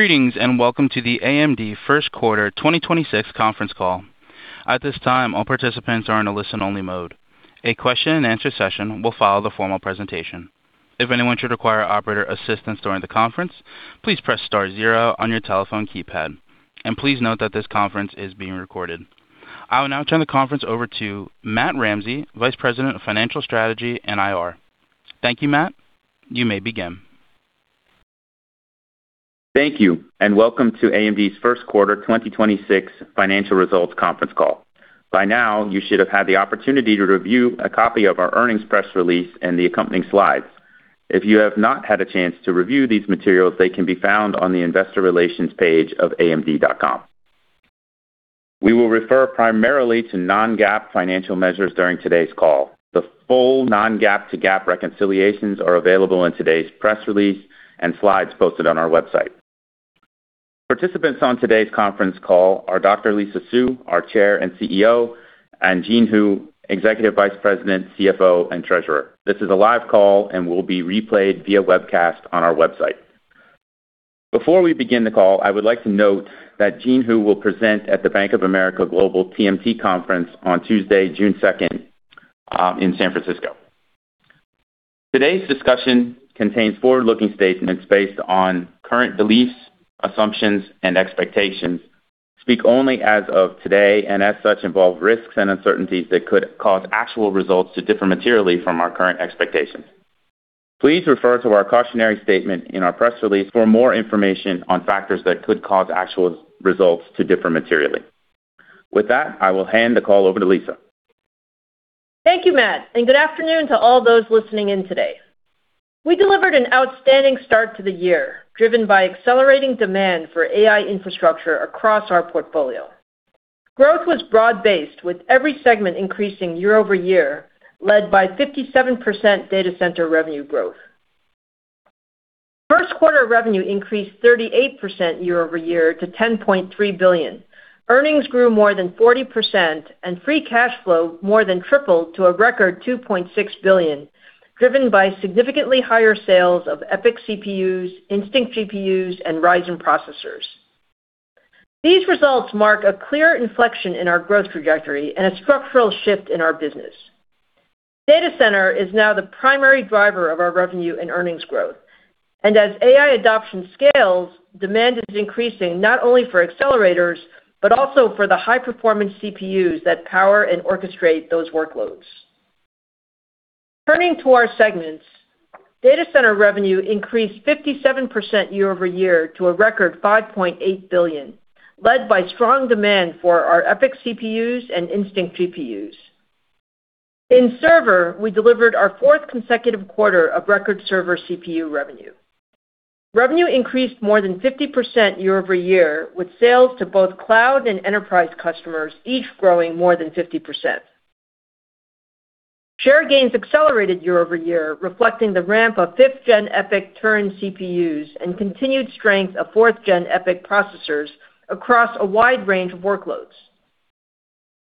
Greetings and welcome to the AMD first quarter 2026 conference call. I will now turn the conference over to Matt Ramsay, Vice President of Financial Strategy and IR. Thank you, Matt. You may begin. Thank you, and welcome to AMD's first quarter 2026 financial results conference call. By now, you should have had the opportunity to review a copy of our earnings press release and the accompanying slides. If you have not had a chance to review these materials, they can be found on the investor relations page of amd.com. We will refer primarily to non-GAAP financial measures during today's call. The full non-GAAP to GAAP reconciliations are available in today's press release and slides posted on our website. Participants on today's conference call are Dr. Lisa Su, our Chair and CEO, and Jean Hu, Executive Vice President, CFO, and Treasurer. This is a live call and will be replayed via webcast on our website. Before we begin the call, I would like to note that Jean Hu will present at the Bank of America Global TMT Conference on Tuesday, June 2nd, in San Francisco. Today's discussion contains forward-looking statements based on current beliefs, assumptions, and expectations, speak only as of today, and as such, involve risks and uncertainties that could cause actual results to differ materially from our current expectations. Please refer to our cautionary statement in our press release for more information on factors that could cause actual results to differ materially. With that, I will hand the call over to Lisa. Thank you, Matt, and good afternoon to all those listening in today. We delivered an outstanding start to the year, driven by accelerating demand for AI infrastructure across our portfolio. Growth was broad-based, with every segment increasing year-over-year, led by 57% data center revenue growth. First quarter revenue increased 38% year-over-year to $10.3 billion. Earnings grew more than 40% and free cash flow more than tripled to a record $2.6 billion, driven by significantly higher sales of EPYC CPUs, Instinct GPUs, and Ryzen processors. These results mark a clear inflection in our growth trajectory and a structural shift in our business. Data center is now the primary driver of our revenue and earnings growth, and as AI adoption scales, demand is increasing not only for accelerators, but also for the high-performance CPUs that power and orchestrate those workloads. Turning to our segments, data center revenue increased 57% year-over-year to a record $5.8 billion, led by strong demand for our EPYC CPUs and Instinct GPUs. In server, we delivered our fourth consecutive quarter of record server CPU revenue. Revenue increased more than 50% year-over-year, with sales to both cloud and enterprise customers each growing more than 50%. Share gains accelerated year-over-year, reflecting the ramp of 5th-gen EPYC Turin CPUs and continued strength of 4th-gen EPYC processors across a wide range of workloads.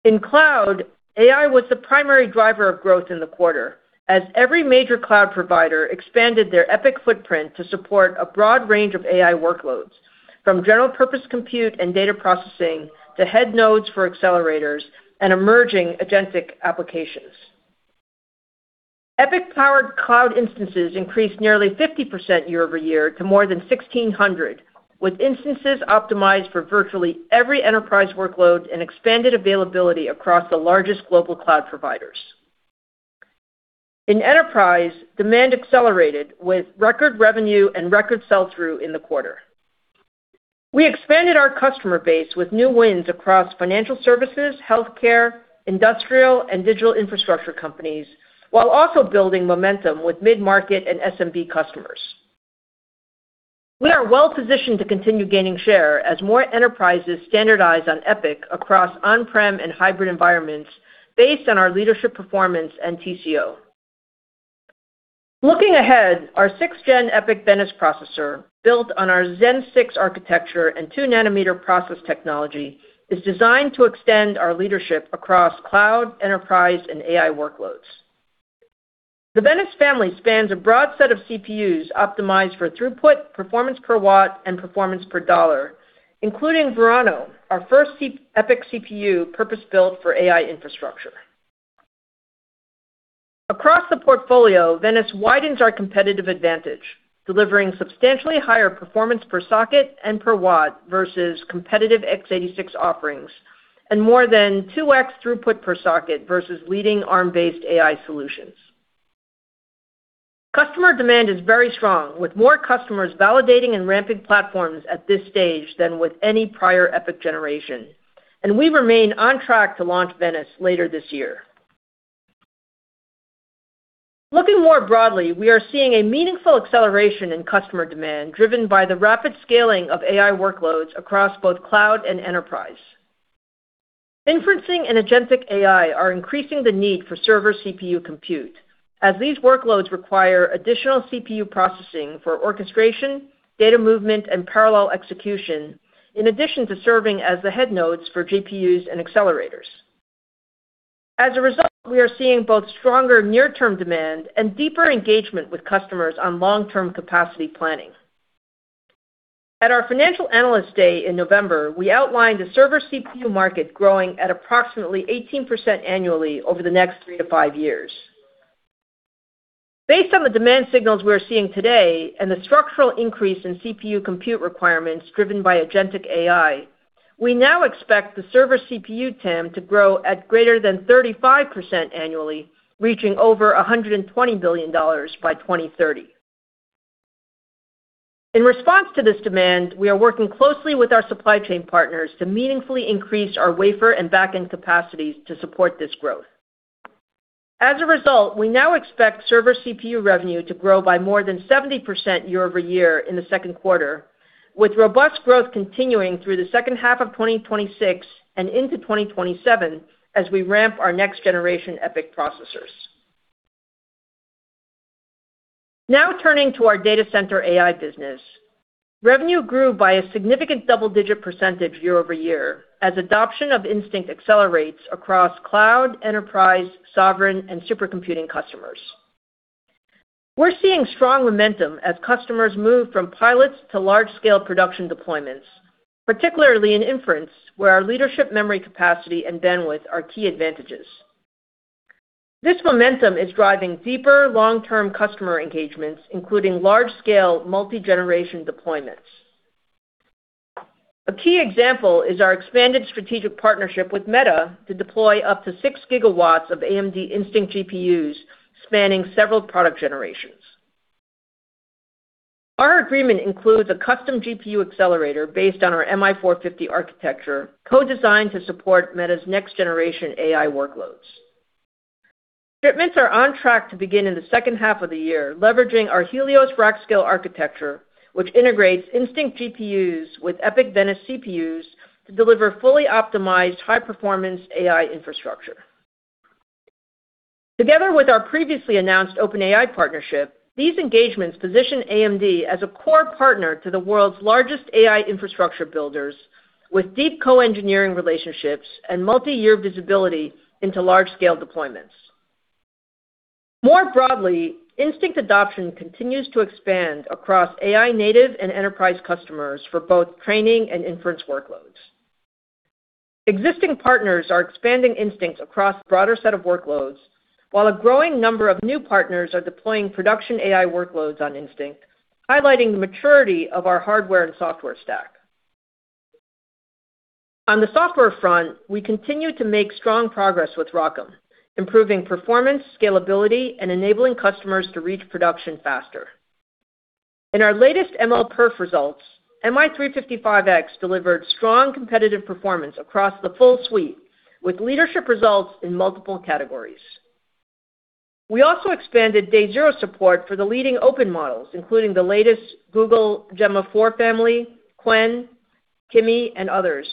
In cloud, AI was the primary driver of growth in the quarter, as every major cloud provider expanded their EPYC footprint to support a broad range of AI workloads, from general purpose compute and data processing to head nodes for accelerators and emerging agentic applications. EPYC-powered cloud instances increased nearly 50% year-over-year to more than 1,600, with instances optimized for virtually every enterprise workload and expanded availability across the largest global cloud providers. In enterprise, demand accelerated with record revenue and record sell-through in the quarter. We expanded our customer base with new wins across financial services, healthcare, industrial, and digital infrastructure companies, while also building momentum with mid-market and SMB customers. We are well-positioned to continue gaining share as more enterprises standardize on EPYC across on-prem and hybrid environments based on our leadership performance and TCO. Looking ahead, our sixth-gen EPYC Venice processor, built on our Zen 6 architecture and 2nm process technology, is designed to extend our leadership across cloud, enterprise, and AI workloads. The Venice family spans a broad set of CPUs optimized for throughput, performance per watt, and performance per dollar, including Verano, our first EPYC CPU purpose-built for AI infrastructure. Across the portfolio, Venice widens our competitive advantage, delivering substantially higher performance per socket and per watt versus competitive x86 offerings and more than 2x throughput per socket versus leading Arm-based AI solutions. Customer demand is very strong, with more customers validating and ramping platforms at this stage than with any prior EPYC generation, and we remain on track to launch Venice later this year. Looking more broadly, we are seeing a meaningful acceleration in customer demand driven by the rapid scaling of AI workloads across both cloud and enterprise. Inferencing and agentic AI are increasing the need for server CPU compute, as these workloads require additional CPU processing for orchestration, data movement, and parallel execution, in addition to serving as the head nodes for GPUs and accelerators. As a result, we are seeing both stronger near-term demand and deeper engagement with customers on long-term capacity planning. At our Financial Analyst Day in November, we outlined the server CPU market growing at approximately 18% annually over the next three to five years. Based on the demand signals we are seeing today and the structural increase in CPU compute requirements driven by agentic AI, we now expect the server CPU TAM to grow at greater than 35% annually, reaching over $120 billion by 2030. In response to this demand, we are working closely with our supply chain partners to meaningfully increase our wafer and back-end capacities to support this growth. As a result, we now expect server CPU revenue to grow by more than 70% year-over-year in the second quarter, with robust growth continuing through the second half of 2026 and into 2027 as we ramp our next-generation EPYC processors. Now turning to our data center AI business. Revenue grew by a significant double-digit percentage year-over-year as adoption of Instinct accelerates across cloud, enterprise, sovereign, and supercomputing customers. We're seeing strong momentum as customers move from pilots to large-scale production deployments, particularly in inference, where our leadership memory capacity and bandwidth are key advantages. This momentum is driving deeper long-term customer engagements, including large-scale multi-generation deployments. A key example is our expanded strategic partnership with Meta to deploy up to 6 GW of AMD Instinct GPUs spanning several product generations. Our agreement includes a custom GPU accelerator based on our MI450 architecture, co-designed to support Meta's next-generation AI workloads. Shipments are on track to begin in the second half of the year, leveraging our Helios rack-scale architecture, which integrates Instinct GPUs with EPYC Venice CPUs to deliver fully optimized high-performance AI infrastructure. Together with our previously announced OpenAI partnership, these engagements position AMD as a core partner to the world's largest AI infrastructure builders with deep co-engineering relationships and multi-year visibility into large-scale deployments. More broadly, Instinct adoption continues to expand across AI native and enterprise customers for both training and inference workloads. Existing partners are expanding Instinct across broader set of workloads, while a growing number of new partners are deploying production AI workloads on Instinct, highlighting the maturity of our hardware and software stack. On the software front, we continue to make strong progress with ROCm, improving performance, scalability, and enabling customers to reach production faster. In our latest MLPerf results, MI355X delivered strong competitive performance across the full suite with leadership results in multiple categories. We also expanded day zero support for the leading open models, including the latest Google Gemma 4 family, Qwen, Kimi, and others,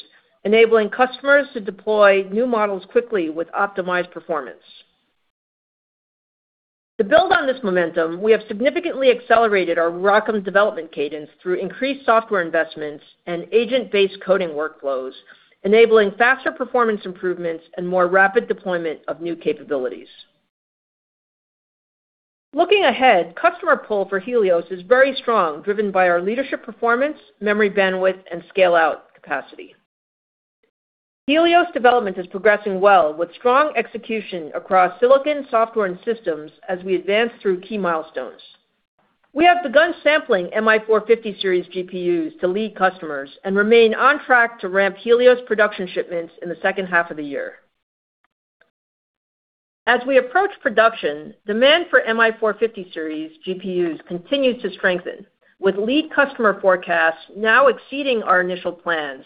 enabling customers to deploy new models quickly with optimized performance. To build on this momentum, we have significantly accelerated our ROCm development cadence through increased software investments and agent-based coding workflows, enabling faster performance improvements and more rapid deployment of new capabilities. Looking ahead, customer pull for Helios is very strong, driven by our leadership performance, memory bandwidth, and scale-out capacity. Helios development is progressing well with strong execution across silicon, software, and systems as we advance through key milestones. We have begun sampling MI450 series GPUs to lead customers and remain on track to ramp Helios production shipments in the second half of the year. As we approach production, demand for MI450 series GPUs continues to strengthen, with lead customer forecasts now exceeding our initial plans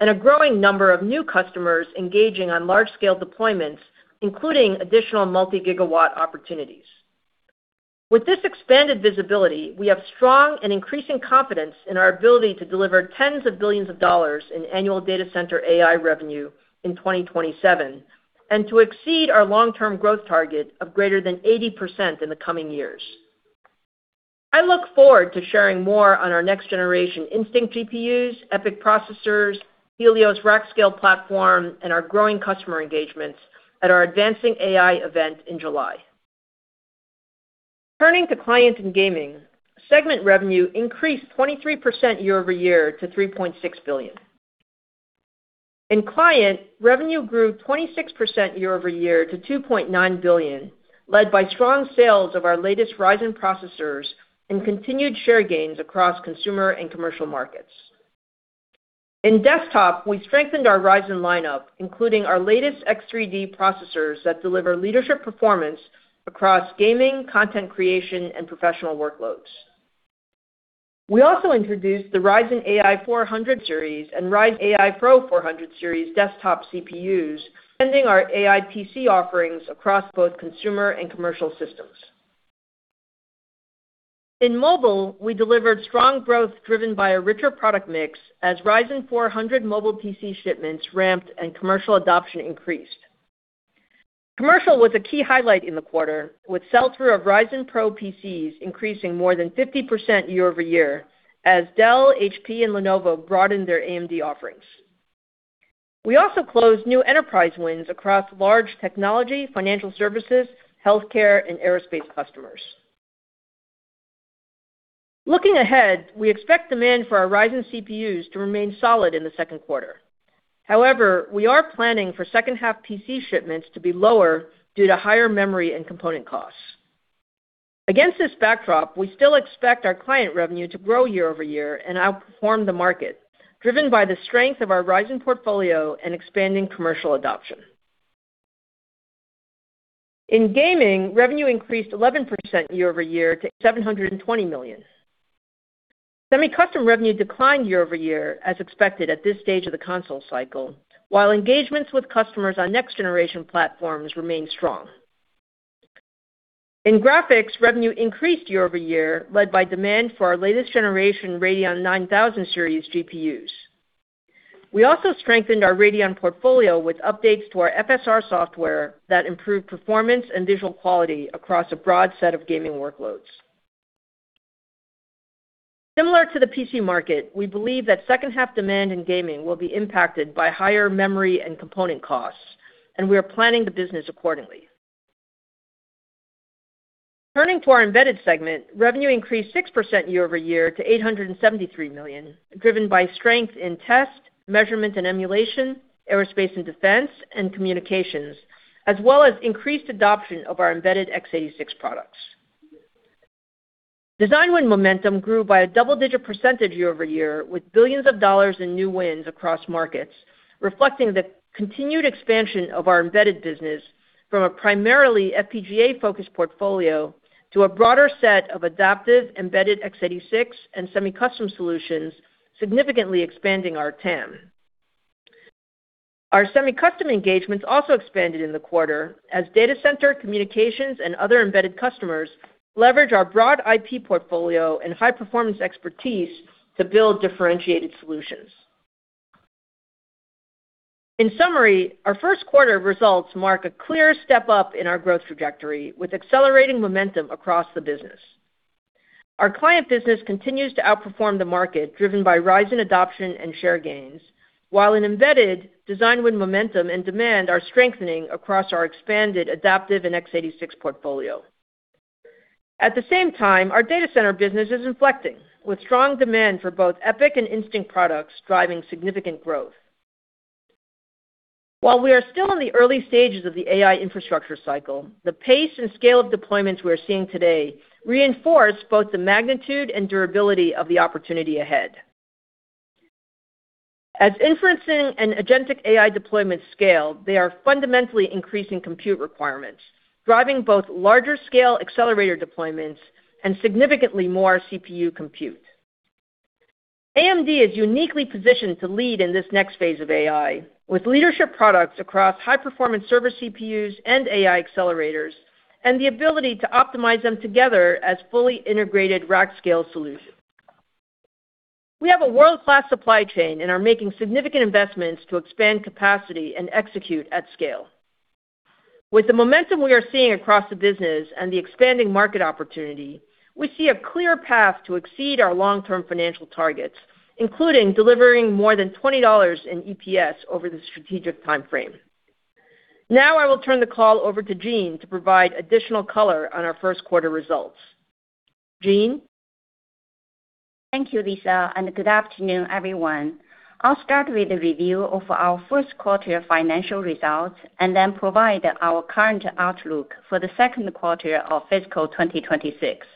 and a growing number of new customers engaging on large-scale deployments, including additional multi-gigawatt opportunities. With this expanded visibility, we have strong and increasing confidence in our ability to deliver tens of billions of dollars in annual data center AI revenue in 2027 and to exceed our long-term growth target of greater than 80% in the coming years. I look forward to sharing more on our next-generation Instinct GPUs, EPYC processors, Helios rack-scale platform, and our growing customer engagements at our Advancing AI event in July. Turning to Client and Gaming, segment revenue increased 23% year-over-year to $3.6 billion. In client, revenue grew 26% year-over-year to $2.9 billion, led by strong sales of our latest Ryzen processors and continued share gains across consumer and commercial markets. In desktop, we strengthened our Ryzen lineup, including our latest X3D processors that deliver leadership performance across gaming, content creation, and professional workloads. We also introduced the Ryzen AI 400 series and Ryzen AI Pro 400 series desktop CPUs, extending our AI PC offerings across both consumer and commercial systems. In mobile, we delivered strong growth driven by a richer product mix as Ryzen 400 mobile PC shipments ramped and commercial adoption increased. Commercial was a key highlight in the quarter, with sell-through of Ryzen PRO PCs increasing more than 50% year-over-year as Dell, HP, and Lenovo broadened their AMD offerings. We also closed new enterprise wins across large technology, financial services, healthcare, and aerospace customers. Looking ahead, we expect demand for our Ryzen CPUs to remain solid in the second quarter. We are planning for second half PC shipments to be lower due to higher memory and component costs. Against this backdrop, we still expect our client revenue to grow year-over-year and outperform the market, driven by the strength of our Ryzen portfolio and expanding commercial adoption. In gaming, revenue increased 11% year-over-year to $720 million. Semi-custom revenue declined year-over-year as expected at this stage of the console cycle, while engagements with customers on next generation platforms remain strong. In graphics, revenue increased year-over-year, led by demand for our latest generation Radeon 9000 series GPUs. We also strengthened our Radeon portfolio with updates to our FSR software that improved performance and visual quality across a broad set of gaming workloads. Similar to the PC market, we believe that second half demand in gaming will be impacted by higher memory and component costs, and we are planning the business accordingly. Turning to our Embedded segment, revenue increased 6% year-over-year to $873 million, driven by strength in test, measurement and emulation, aerospace and defense and communications, as well as increased adoption of our embedded x86 products. Design win momentum grew by a double-digit percentage year-over-year with billions of dollars in new wins across markets, reflecting the continued expansion of our embedded business from a primarily FPGA-focused portfolio to a broader set of adaptive embedded x86 and semi-custom solutions, significantly expanding our TAM. Our semi-custom engagements also expanded in the quarter as data center, communications and other embedded customers leverage our broad IP portfolio and high-performance expertise to build differentiated solutions. In summary, our first quarter results mark a clear step up in our growth trajectory with accelerating momentum across the business. Our client business continues to outperform the market, driven by rising adoption and share gains, while in embedded, design win momentum and demand are strengthening across our expanded adaptive and x86 portfolio. At the same time, our data center business is inflecting with strong demand for both EPYC and Instinct products driving significant growth. While we are still in the early stages of the AI infrastructure cycle, the pace and scale of deployments we are seeing today reinforce both the magnitude and durability of the opportunity ahead. As inferencing and agentic AI deployments scale, they are fundamentally increasing compute requirements, driving both larger scale accelerator deployments and significantly more CPU compute. AMD is uniquely positioned to lead in this next phase of AI with leadership products across high-performance server CPUs and AI accelerators, and the ability to optimize them together as fully integrated rack-scale solutions. We have a world-class supply chain and are making significant investments to expand capacity and execute at scale. With the momentum we are seeing across the business and the expanding market opportunity, we see a clear path to exceed our long-term financial targets, including delivering more than $20 in EPS over the strategic timeframe. Now I will turn the call over to Jean to provide additional color on our first quarter results. Jean. Thank you, Lisa. Good afternoon, everyone. I'll start with the review of our first quarter financial results. Then provide our current outlook for the second quarter of fiscal 2026.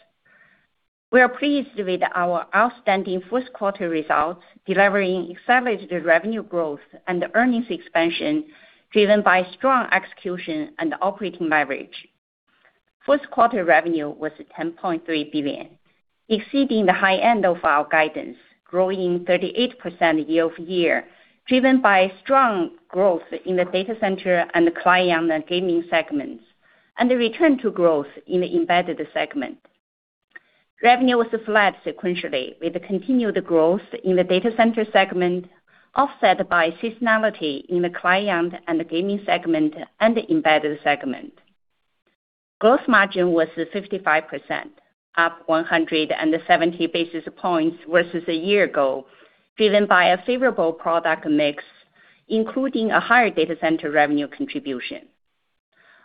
We are pleased with our outstanding first quarter results, delivering accelerated revenue growth and earnings expansion driven by strong execution and operating leverage. First quarter revenue was $10.3 billion, exceeding the high end of our guidance, growing 38% year-over-year, driven by strong growth in the Data Center and Client and Gaming segments, and a return to growth in the Embedded segment. Revenue was flat sequentially with continued growth in the Data Center segment, offset by seasonality in the Client and Gaming segment and the Embedded segment. Gross margin was 55%, up 170 basis points versus a year ago, driven by a favorable product mix, including a higher Data Center revenue contribution.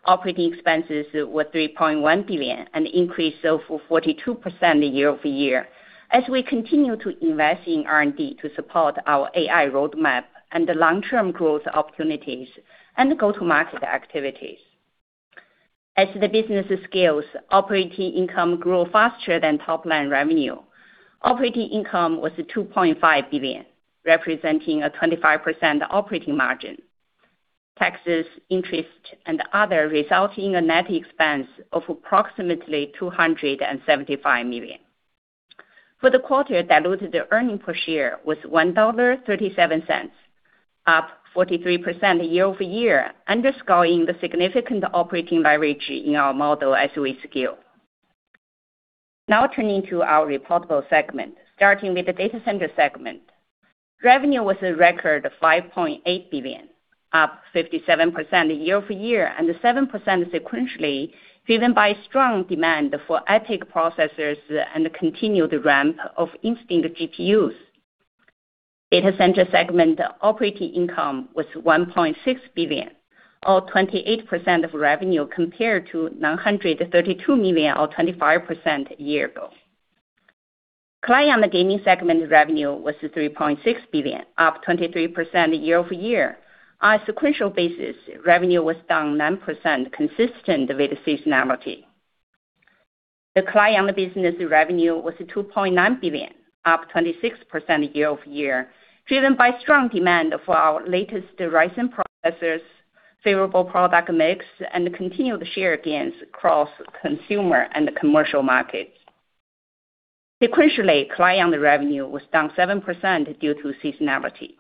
Operating expenses were $3.1 billion, an increase of 42% year-over-year as we continue to invest in R&D to support our AI roadmap and the long-term growth opportunities and go-to-market activities. As the business scales, operating income grew faster than top-line revenue. Operating income was $2.5 billion, representing a 25% operating margin. Taxes, interest, and other resulting in a net expense of approximately $275 million. For the quarter, diluted earnings per share was $1.37, up 43% year-over-year, underscoring the significant operating leverage in our model as we scale. Now turning to our reportable segment, starting with the Data Center Segment. Revenue was a record $5.8 billion, up 57% year-over-year and 7% sequentially, driven by strong demand for EPYC processors and the continued ramp of Instinct GPUs. Data Center segment operating income was $1.6 billion or 28% of revenue compared to $932 million or 25% a year ago. Client and Gaming segment revenue was $3.6 billion, up 23% year-over-year. On a sequential basis, revenue was down 9%, consistent with the seasonality. The client business revenue was $2.9 billion, up 26% year-over-year, driven by strong demand for our latest Ryzen processors, favorable product mix, and continued share gains across consumer and commercial markets. Sequentially, client revenue was down 7% due to seasonality.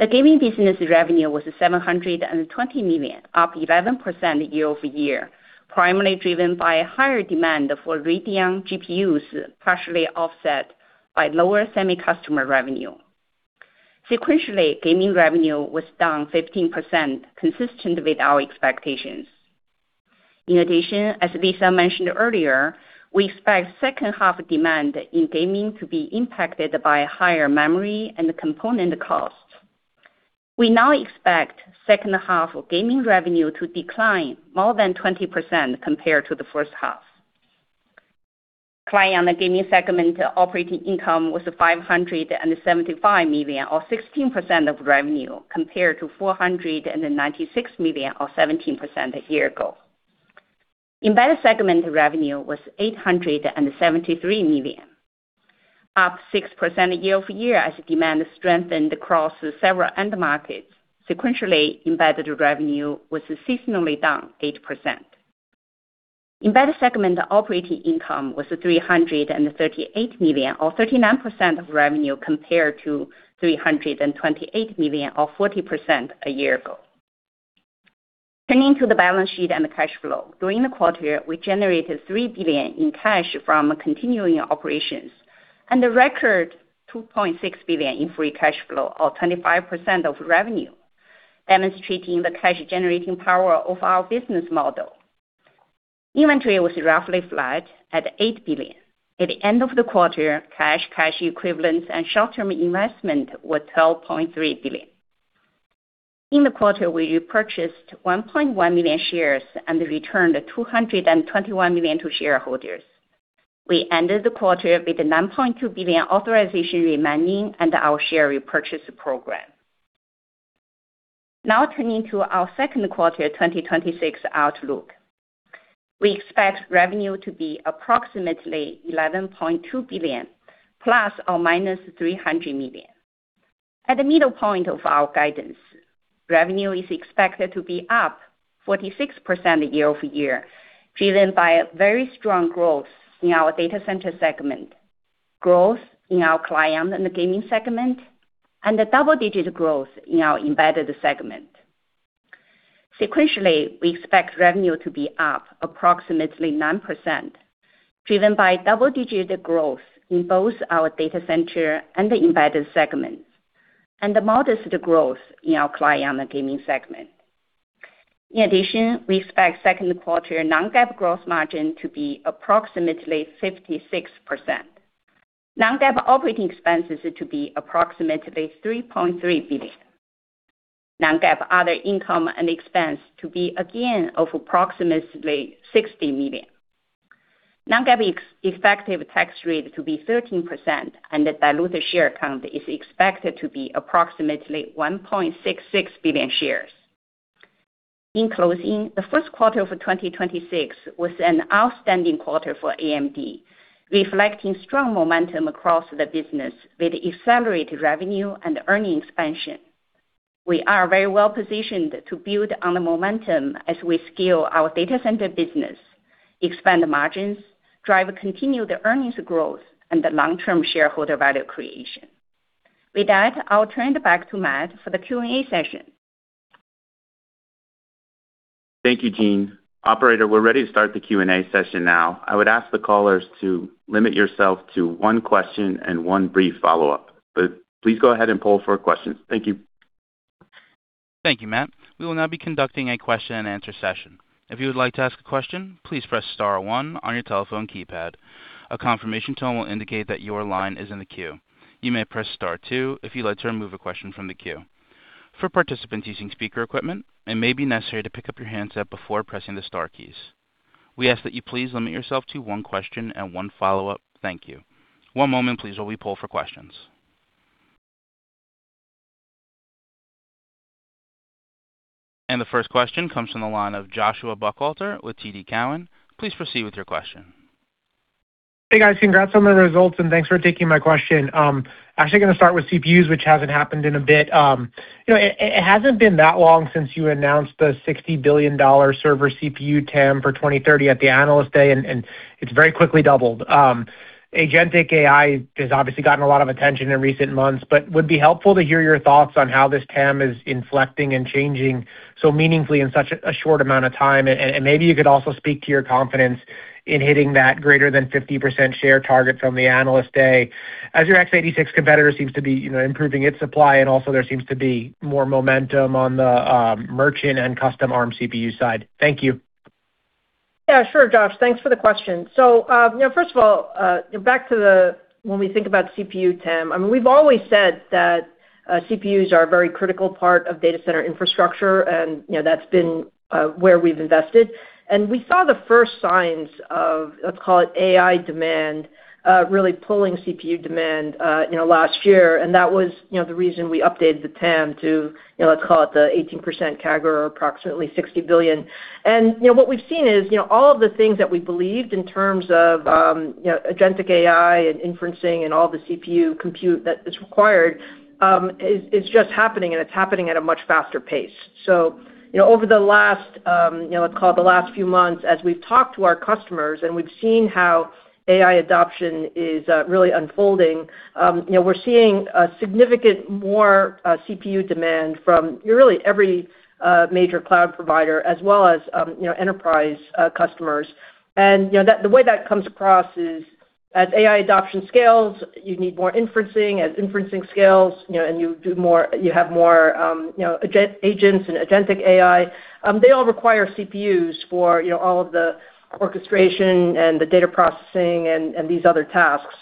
The gaming business revenue was $720 million, up 11% year-over-year, primarily driven by higher demand for Radeon GPUs, partially offset by lower semi-customer revenue. Sequentially, gaming revenue was down 15%, consistent with our expectations. In addition, as Lisa mentioned earlier, we expect second half demand in gaming to be impacted by higher memory and component costs. We now expect second half gaming revenue to decline more than 20% compared to the first half. Client and Gaming segment operating income was $575 million or 16% of revenue, compared to $496 million or 17% a year ago. Embedded segment revenue was $873 million, up 6% year-over-year as demand strengthened across several end markets. Sequentially, embedded revenue was seasonally down 8%. Embedded segment operating income was $338 million or 39% of revenue, compared to $328 million or 40% a year ago. Turning to the balance sheet and the cash flow. During the quarter, we generated $3 billion in cash from continuing operations and a record $2.6 billion in free cash flow or 25% of revenue, demonstrating the cash generating power of our business model. Inventory was roughly flat at $8 billion. At the end of the quarter, cash equivalents and short-term investment were $12.3 billion. In the quarter, we repurchased 1.1 million shares and returned $221 million to shareholders. We ended the quarter with $9.2 billion authorization remaining under our share repurchase program. Turning to our second quarter 2026 outlook. We expect revenue to be approximately $11.2 billion ± $300 million. At the middle point of our guidance, revenue is expected to be up 46% year-over-year, driven by very strong growth in our Data Center segment, growth in our Client and Gaming segment, and a double-digit growth in our Embedded segment. Sequentially, we expect revenue to be up approximately 9%, driven by double-digit growth in both our Data Center and Embedded segments, and a modest growth in our Client and Gaming segment. In addition, we expect second quarter non-GAAP gross margin to be approximately 56%. Non-GAAP operating expenses to be approximately $3.3 billion. Non-GAAP other income and expense to be again of approximately $60 million. Non-GAAP effective tax rate to be 13%, and the diluted share count is expected to be approximately 1.66 billion shares. In closing, the first quarter of 2026 was an outstanding quarter for AMD, reflecting strong momentum across the business with accelerated revenue and earnings expansion. We are very well positioned to build on the momentum as we scale our Data Center business, expand margins, drive continued earnings growth and long-term shareholder value creation. With that, I'll turn it back to Matt for the Q&A session. Thank you, Jean. Operator, we're ready to start the Q&A session now. I would ask the callers to limit yourself to one question and one brief follow-up. Please go ahead and poll for questions. Thank you. Thank you, Matt. We will now be conducting a question and answer session. If you would like to ask a question, please press star one on your telephone keypad. A confirmation tone will indicate that your line is in the queue. You may press star two if you'd like to remove a question from the queue. For participants using speaker equipment, it may be necessary to pick up your handset before pressing the star keys. We ask that you please limit yourself to one question and one follow-up. Thank you. One moment please, while we poll for questions. The first question comes from the line of Joshua Buchalter with TD Cowen. Please proceed with your question. Hey, guys. Congrats on the results and thanks for taking my question. Actually going to start with CPUs, which hasn't happened in a bit. You know, it hasn't been that long since you announced the $60 billion server CPU TAM for 2030 at the Analyst Day, and it's very quickly doubled. Agentic AI has obviously gotten a lot of attention in recent months, but would be helpful to hear your thoughts on how this TAM is inflecting and changing so meaningfully in such a short amount of time. Maybe you could also speak to your confidence in hitting that greater than 50% share target from the Analyst Day as your x86 competitor seems to be, you know, improving its supply and also there seems to be more momentum on the merchant and custom Arm CPU side. Thank you. Yeah, sure, Josh. Thanks for the question. You know, first of all, when we think about CPU TAM, I mean, we've always said that CPUs are a very critical part of data center infrastructure, and, you know, that's been where we've invested. We saw the first signs of, let's call it AI demand, really pulling CPU demand, you know, last year. That was the reason we updated the TAM to, let's call it the 18% CAGR, approximately $60 billion. You know, what we've seen is, you know, all of the things that we believed in terms of, you know, agentic AI and inferencing and all the CPU compute that is required, is just happening, and it's happening at a much faster pace. You know, over the last few months, as we've talked to our customers and we've seen how AI adoption is really unfolding, you know, we're seeing significantly more CPU demand from really every major cloud provider as well as enterprise customers. You know, the way that comes across is as AI adoption scales, you need more inferencing. As inferencing scales, you know, you have more agents and agentic AI, they all require CPUs for you know, all of the orchestration and the data processing and these other tasks.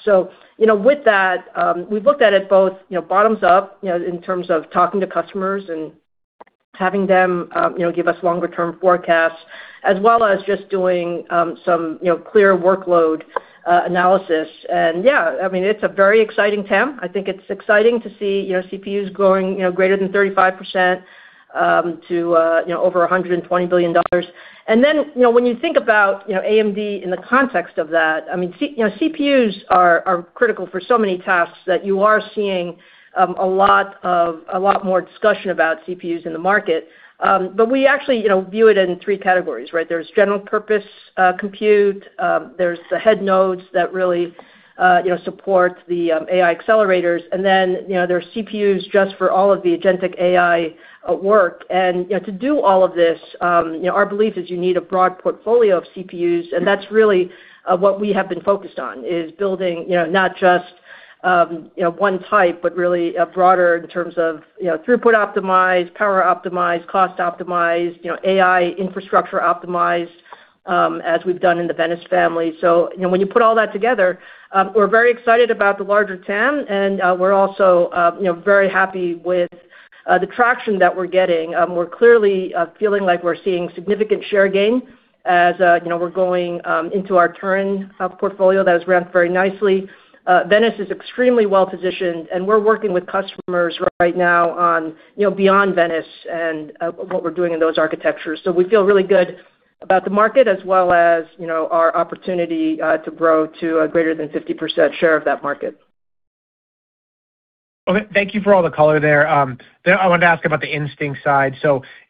You know, with that, we've looked at it both, you know, bottoms up, you know, in terms of talking to customers and having them, you know, give us longer term forecasts, as well as just doing, some, you know, clear workload analysis. Yeah, I mean, it's a very exciting TAM. I think it's exciting to see, you know, CPUs growing, you know, greater than 35%, to, you know, over $120 billion. You know, when you think about, you know, AMD in the context of that, I mean, you know, CPUs are critical for so many tasks that you are seeing, a lot more discussion about CPUs in the market. We actually, you know, view it in three categories, right? There's general purpose compute, there's the head nodes that really, you know, support the AI accelerators, and then, you know, there are CPUs just for all of the agentic AI at work. You know, to do all of this, you know, our belief is you need a broad portfolio of CPUs, and that's really what we have been focused on, is building, you know, not just, you know, one type, but really a broader in terms of, you know, throughput optimized, power optimized, cost optimized, you know, AI infrastructure optimized, as we've done in the Venice family. You know, when you put all that together, we're very excited about the larger TAM and, we're also, you know, very happy with the traction that we're getting. We're clearly feeling like we're seeing significant share gain as, you know, we're going into our Turin portfolio. That has ramped very nicely. Venice is extremely well-positioned, and we're working with customers right now on, you know, beyond Venice and what we're doing in those architectures. We feel really good about the market as well as, you know, our opportunity to grow to a greater than 50% share of that market. Okay. Thank you for all the color there. I wanted to ask about the Instinct side.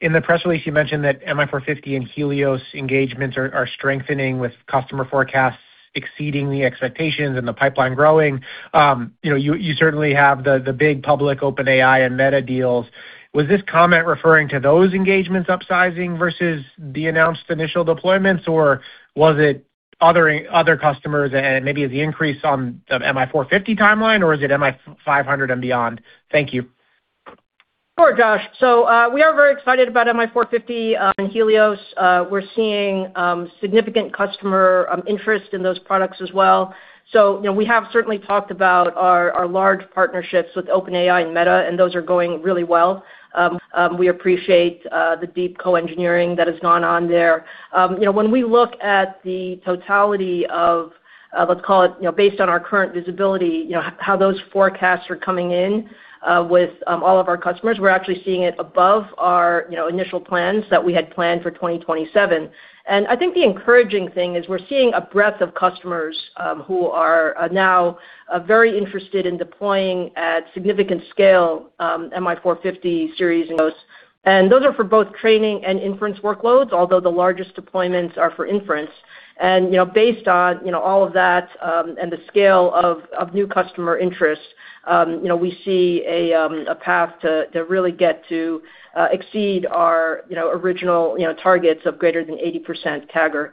In the press release, you mentioned that MI450 and Helios engagements are strengthening with customer forecasts exceeding the expectations and the pipeline growing. You know, you certainly have the big public OpenAI and Meta deals. Was this comment referring to those engagements upsizing versus the announced initial deployments, or was it other customers? Maybe is the increase on the MI450 timeline or is it MI500 and beyond? Thank you. Sure, Josh. We are very excited about MI450 and Helios. We're seeing significant customer interest in those products as well. You know, we have certainly talked about our large partnerships with OpenAI and Meta, and those are going really well. We appreciate the deep co-engineering that has gone on there. You know, when we look at the totality of, let's call it, you know, based on our current visibility, you know, how those forecasts are coming in with all of our customers, we're actually seeing it above our, you know, initial plans that we had planned for 2027. I think the encouraging thing is we're seeing a breadth of customers who are now very interested in deploying at significant scale, MI450 series. And those are for both training and inference workloads, although the largest deployments are for inference. You know, based on all of that, and the scale of new customer interest, we see a path to really get to exceed our original targets of greater than 80% CAGR.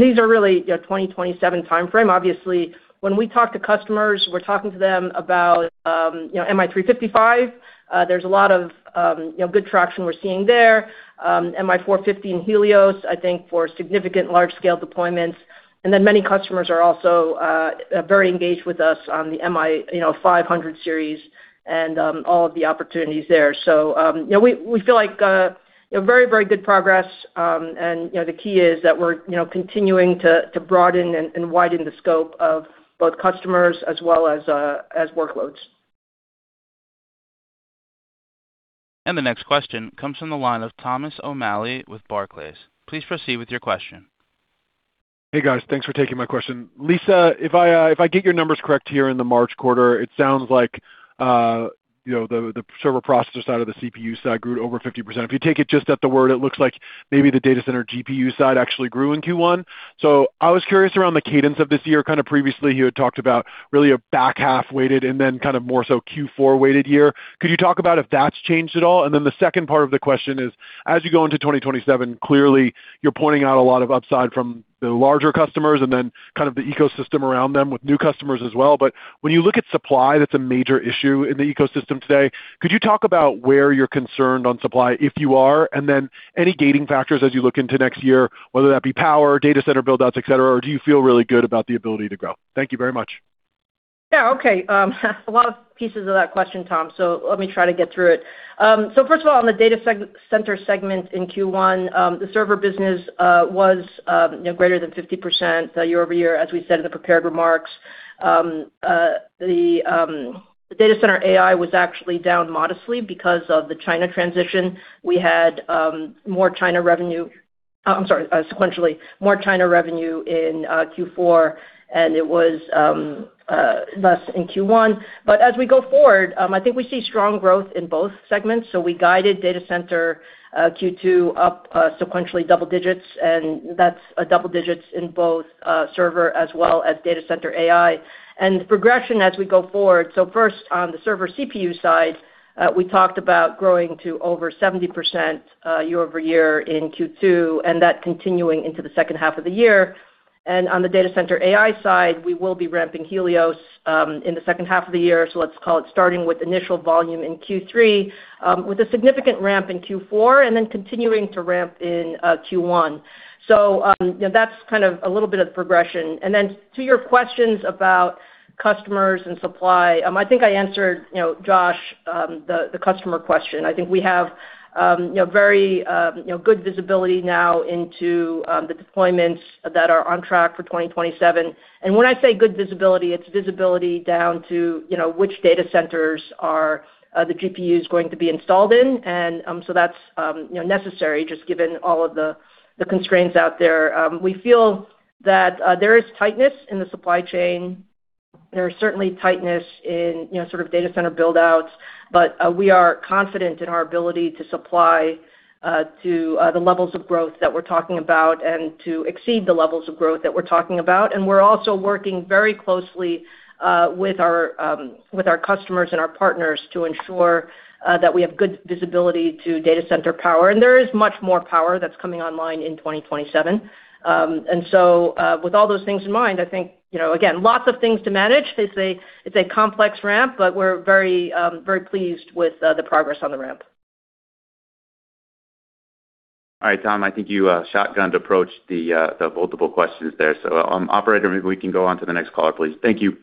These are really 2027 timeframe. Obviously, when we talk to customers, we're talking to them about MI355. There's a lot of good traction we're seeing there. MI450 and Helios, I think for significant large scale deployments. Then many customers are also very engaged with us on the MI500 series and all of the opportunities there. You know, we feel like, you know, very good progress. You know, the key is that we're, you know, continuing to broaden and widen the scope of both customers as well as workloads. The next question comes from the line of Thomas O'Malley with Barclays. Please proceed with your question. Hey, guys. Thanks for taking my question. Lisa, if I, if I get your numbers correct here in the March quarter, it sounds like, you know, the server processor side of the CPU side grew over 50%. If you take it just at the word, it looks like maybe the data center GPU side actually grew in Q1. I was curious around the cadence of this year. Kind of previously, you had talked about really a back half weighted and then kind of more so Q4 weighted year. Could you talk about if that's changed at all? The second part of the question is, as you go into 2027, clearly you're pointing out a lot of upside from the larger customers and then kind of the ecosystem around them with new customers as well. When you look at supply, that's a major issue in the ecosystem today. Could you talk about where you're concerned on supply, if you are, and then any gating factors as you look into next year, whether that be power, data center buildouts, et cetera, or do you feel really good about the ability to grow? Thank you very much. Yeah. Okay. A lot of pieces of that question, Tom, so let me try to get through it. First of all, on the Data Center segment in Q1, the server business was, you know, greater than 50% year-over-year, as we said in the prepared remarks. The data center AI was actually down modestly because of the China transition. We had more China revenue sequentially, more China revenue in Q4, and it was less in Q1. As we go forward, I think we see strong growth in both segments. We guided data center Q2 up sequentially double digits, and that's double digits in both server as well as data center AI. Progression as we go forward. First on the server CPU side, we talked about growing to over 70% year-over-year in Q2, and that continuing into the second half of the year. On the data center AI side, we will be ramping Helios in the second half of the year. Let's call it starting with initial volume in Q3, with a significant ramp in Q4 and then continuing to ramp in Q1. That's kind of a little bit of the progression. Then to your questions about customers and supply, I think I answered, you know, Josh, the customer question. I think we have, you know, very, you know, good visibility now into the deployments that are on track for 2027. When I say good visibility, it's visibility down to, you know, which data centers are the GPU is going to be installed in. That's, you know, necessary just given all of the constraints out there. We feel that there is tightness in the supply chain. There is certainly tightness in, you know, sort of data center build-outs, but we are confident in our ability to supply to the levels of growth that we're talking about and to exceed the levels of growth that we're talking about. We're also working very closely with our customers and our partners to ensure that we have good visibility to data center power. There is much more power that's coming online in 2027. With all those things in mind, I think, you know, again, lots of things to manage. It's a complex ramp, but we're very, very pleased with the progress on the ramp. All right. Tom, I think you shotgunned approach the multiple questions there. Operator, maybe we can go on to the next caller, please. Thank you.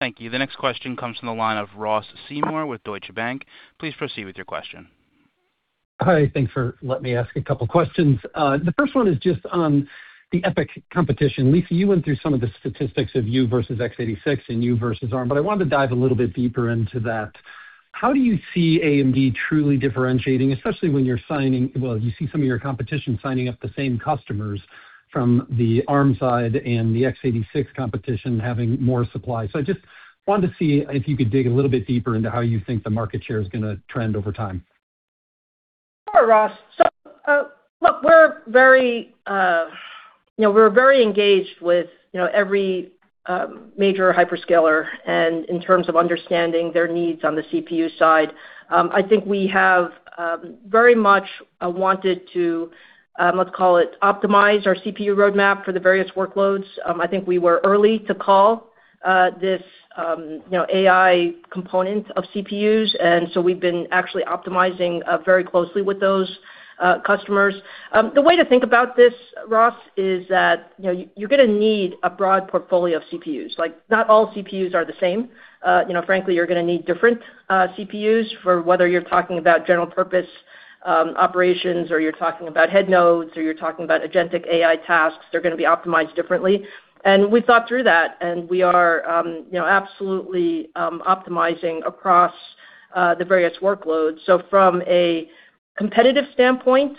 Thank you. The next question comes from the line of Ross Seymore with Deutsche Bank. Please proceed with your question. Hi. Thanks for letting me ask a couple of questions. The first one is just on the EPYC competition. Lisa, you went through some of the statistics of you versus x86 and you versus Arm, I wanted to dive a little bit deeper into that. How do you see AMD truly differentiating, especially when you see some of your competition signing up the same customers from the Arm side and the x86 competition having more supply. I just wanted to see if you could dig a little bit deeper into how you think the market share is gonna trend over time. Sure, Ross. Look, we're very, you know, we're very engaged with, you know, every major hyperscaler and in terms of understanding their needs on the CPU side. I think we have very much wanted to, let's call it, optimize our CPU roadmap for the various workloads. I think we were early to call this, you know, AI component of CPUs. We've been actually optimizing very closely with those customers. The way to think about this, Ross, is that, you know, you're gonna need a broad portfolio of CPUs. Like, not all CPUs are the same. You know, frankly, you're gonna need different CPUs for whether you're talking about general purpose operations or you're talking about head nodes or you're talking about agentic AI tasks. They're gonna be optimized differently. We thought through that, and we are, you know, absolutely, optimizing across the various workloads. From a competitive standpoint,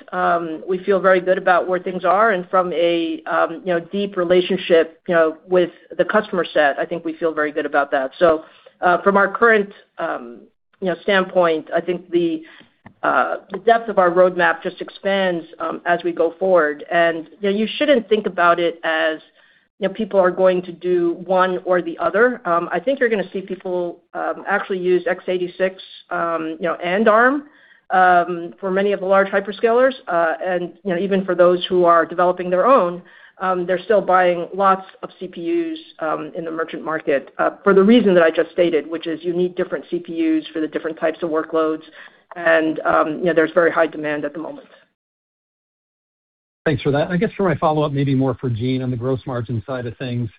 we feel very good about where things are, and from a, you know, deep relationship, you know, with the customer set, I think we feel very good about that. From our current, you know, standpoint, I think the depth of our roadmap just expands as we go forward. You shouldn't think about it as, you know, people are going to do one or the other. I think you're gonna see people, actually use x86, you know, and Arm, for many of the large hyperscalers, and, you know, even for those who are developing their own, they're still buying lots of CPUs, in the merchant market, for the reason that I just stated, which is you need different CPUs for the different types of workloads. You know, there's very high demand at the moment. Thanks for that. I guess for my follow-up, maybe more for Jean on the gross margin side of things.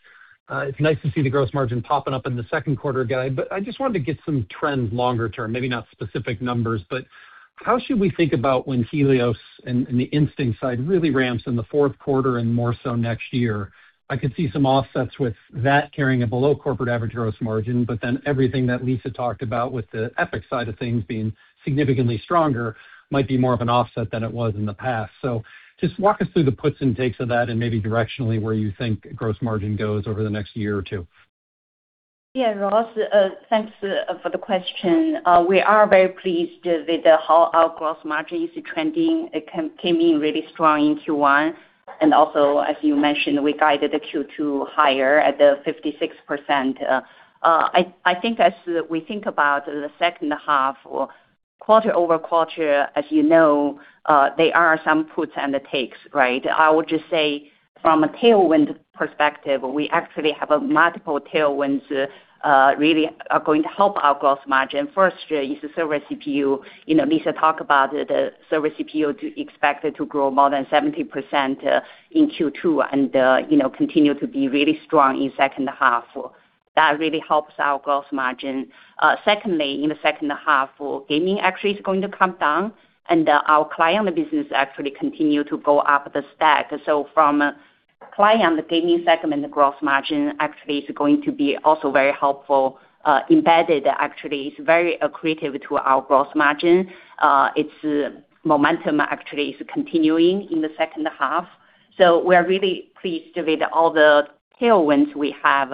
It's nice to see the gross margin popping up in the second quarter guide, but I just wanted to get some trends longer term, maybe not specific numbers. How should we think about when Helios and the Instinct side really ramps in the fourth quarter and more so next year? I could see some offsets with that carrying a below corporate average gross margin, but then everything that Lisa talked about with the EPYC side of things being significantly stronger might be more of an offset than it was in the past. Just walk us through the puts and takes of that and maybe directionally where you think gross margin goes over the next year or two. Yeah, Ross, thanks for the question. We are very pleased with how our gross margin is trending. It came in really strong in Q1. Also, as you mentioned, we guided the Q2 higher at the 56%. I think as we think about the second half quarter-over-quarter, as you know, there are some puts and the takes, right? I would just say from a tailwind perspective, we actually have a multiple tailwinds, really are going to help our gross margin. First, is the server CPU. You know, Lisa talked about the server CPU to expected to grow more than 70% in Q2 and, you know, continue to be really strong in second half. That really helps our gross margin. Secondly, in the second half, gaming actually is going to come down, and our client business actually continue to go up the stack. From a Client and Gaming segment, the gross margin actually is going to be also very helpful, embedded. Actually, it's very accretive to our gross margin. Its momentum actually is continuing in the second half. We're really pleased with all the tailwinds we have.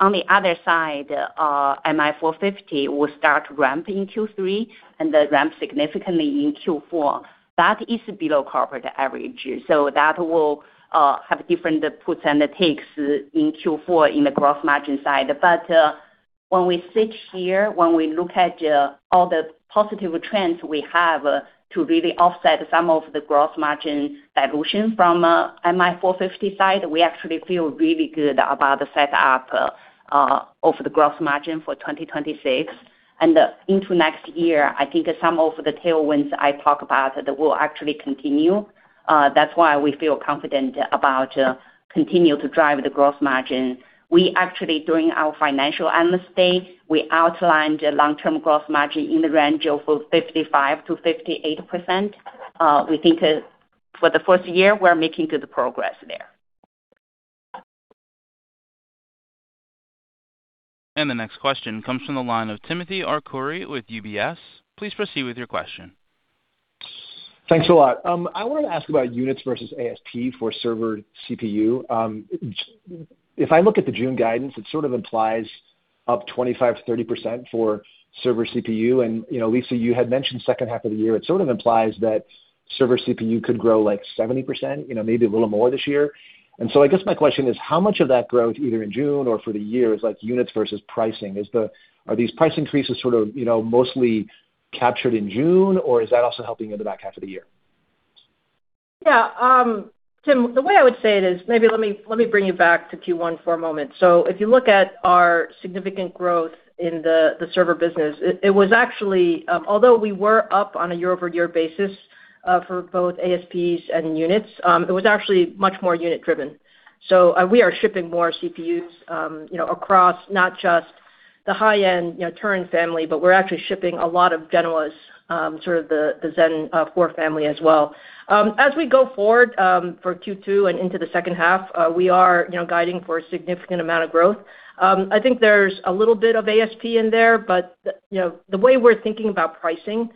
On the other side, MI450 will start to ramp in Q3 and then ramp significantly in Q4. That is below corporate average. That will have different puts and it takes in Q4 in the gross margin side. When we sit here, when we look at all the positive trends we have to really offset some of the gross margin dilution from MI450 side, we actually feel really good about the setup of the gross margin for 2026. Into next year, I think some of the tailwinds I talk about will actually continue. That's why we feel confident about continue to drive the gross margin. We actually, during our Financial Analyst Day, we outlined a long-term gross margin in the range of 55%-58%. We think for the first year, we're making good progress there. The next question comes from the line of Timothy Arcuri with UBS. Please proceed with your question. Thanks a lot. I wanted to ask about units versus ASP for server CPU. If I look at the June guidance, it sort of implies up 25%-30% for server CPU and, you know, Lisa, you had mentioned second half of the year. It sort of implies that server CPU could grow like 70%, you know, maybe a little more this year. I guess my question is, how much of that growth, either in June or for the year, is like units versus pricing? Are these price increases sort of, you know, mostly captured in June, or is that also helping you in the back half of the year? Yeah. Tim, the way I would say it is, maybe let me bring you back to Q1 for a moment. If you look at our significant growth in the server business, it was actually, although we were up on a year-over-year basis, for both ASPs and units, it was actually much more unit driven. We are shipping more CPUs, you know, across not just the high-end, you know, Turin family, but we're actually shipping a lot of Genoas, sort of the Zen core family as well. As we go forward, for Q2 and into the second half, we are, you know, guiding for a significant amount of growth. I think there's a little bit of ASP in there, but, you know, the way we're thinking about pricing,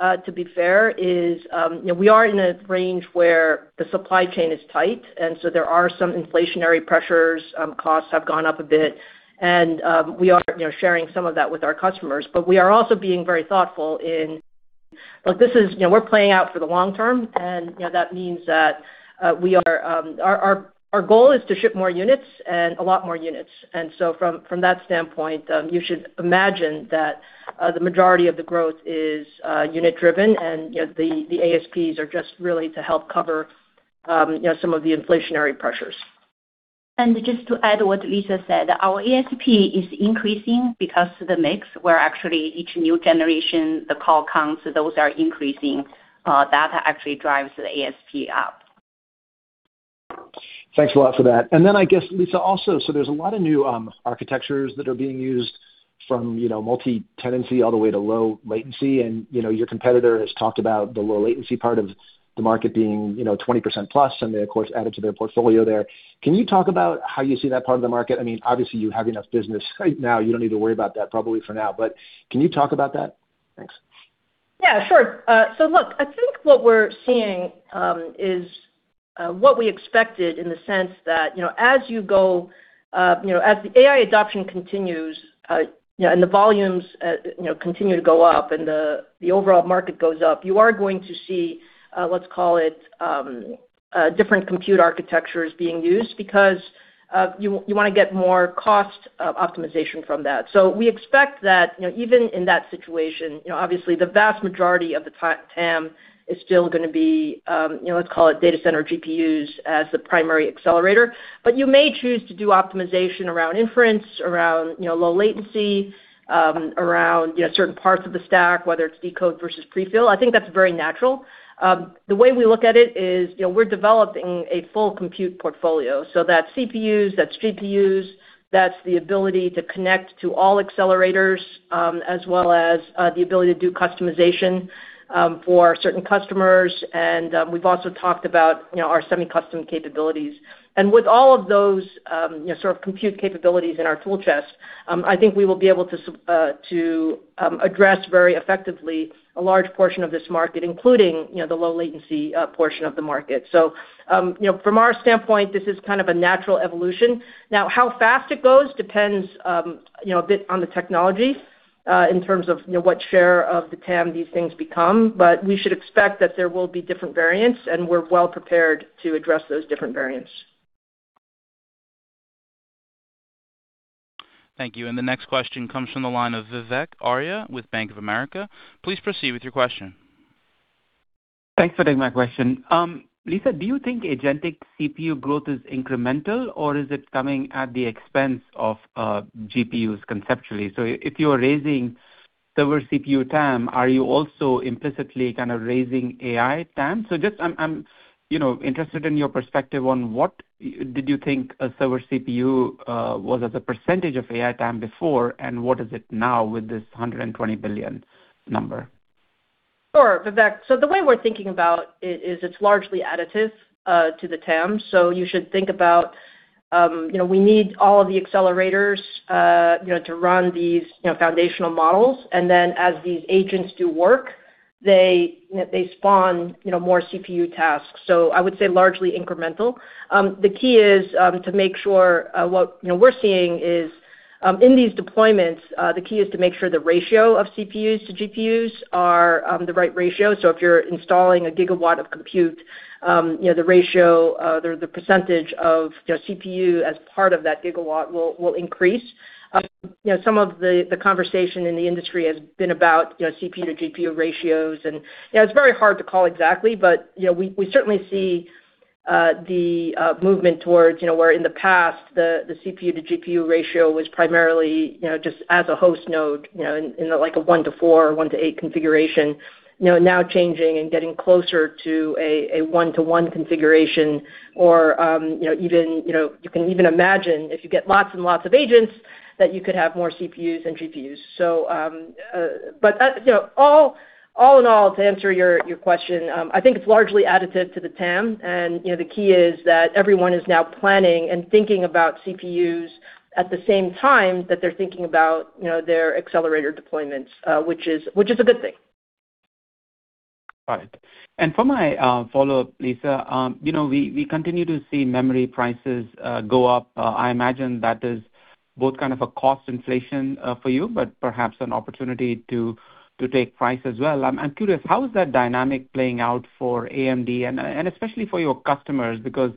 to be fair is, you know, we are in a range where the supply chain is tight. So there are some inflationary pressures, costs have gone up a bit, and we are, you know, sharing some of that with our customers. We are also being very thoughtful in Look, You know, we're playing out for the long term. You know, that means that, Our goal is to ship more units and a lot more units. From that standpoint, you should imagine that the majority of the growth is unit driven and, you know, the ASPs are just really to help cover, you know, some of the inflationary pressures. Just to add what Lisa said, our ASP is increasing because of the mix, where actually each new generation, the core counts, those are increasing. That actually drives the ASP up. Thanks a lot for that. I guess, Lisa, also, there's a lot of new architectures that are being used from, you know, multi-tenancy all the way to low latency and, you know, your competitor has talked about the low latency part of the market being, you know, 20%+, and they of course added to their portfolio there. Can you talk about how you see that part of the market? I mean, obviously you have enough business right now, you don't need to worry about that probably for now, but can you talk about that? Thanks. Yeah, sure. Look, I think what we're seeing is what we expected in the sense that, you know, as you go, you know, as the AI adoption continues, you know, and the volumes, you know, continue to go up and the overall market goes up, you are going to see, let's call it, different compute architectures being used because you want to get more cost optimization from that. We expect that, you know, even in that situation, you know, obviously the vast majority of the TAM is still going to be, you know, let's call it data center GPUs as the primary accelerator. You may choose to do optimization around inference, around, you know, low latency, around, you know, certain parts of the stack, whether it's decode versus prefill. I think that's very natural. The way we look at it is, you know, we're developing a full compute portfolio. That's CPUs, that's GPUs, that's the ability to connect to all accelerators, as well as the ability to do customization for certain customers and we've also talked about, you know, our semi-custom capabilities. With all of those, you know, sort of compute capabilities in our tool chest, I think we will be able to address very effectively a large portion of this market, including, you know, the low latency portion of the market. From our standpoint, this is kind of a natural evolution. How fast it goes depends, you know, a bit on the technology, in terms of, you know, what share of the TAM these things become. We should expect that there will be different variants, and we're well prepared to address those different variants. Thank you. The next question comes from the line of Vivek Arya with Bank of America. Please proceed with your question. Thanks for taking my question. Lisa, do you think agentic CPU growth is incremental, or is it coming at the expense of GPUs conceptually? If you're raising server CPU TAM, are you also implicitly kind of raising AI TAM? Just I'm, you know, interested in your perspective on what did you think a server CPU was as a percentage of AI TAM before and what is it now with this $120 billion number? Sure, Vivek. The way we're thinking about it is it's largely additive to the TAM. You should think about, you know, we need all of the accelerators, you know, to run these, you know, foundational models. As these agents do work, they spawn, you know, more CPU tasks. I would say largely incremental. The key is to make sure, what, you know, we're seeing is in these deployments, the key is to make sure the ratio of CPUs to GPUs are the right ratio. If you're installing a gigawatt of compute, you know, the ratio, the percentage of CPU as part of that gigawatt will increase. You know, some of the conversation in the industry has been about, you know, CPU to GPU ratios. You know, it's very hard to call exactly, but, you know, we certainly see the movement towards, you know, where in the past the CPU to GPU ratio was primarily, you know, just as a host node, you know, in like a 1-to-4 or 1-to-8 configuration. You know, now changing and getting closer to a 1-to-1 configuration or, you know, even, you know, you can even imagine if you get lots and lots of agents that you could have more CPUs than GPUs. You know, all in all, to answer your question, I think it's largely additive to the TAM. You know, the key is that everyone is now planning and thinking about CPUs at the same time that they're thinking about, you know, their accelerator deployments, which is a good thing. Got it. For my follow-up, Lisa, you know, we continue to see memory prices go up. I imagine that is both kind of a cost inflation for you, but perhaps an opportunity to take price as well. I'm curious, how is that dynamic playing out for AMD and especially for your customers? Because,